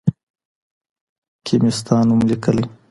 کي مي ستا نوم ليکلی